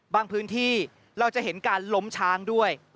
พื้นที่เราจะเห็นการล้มช้างด้วย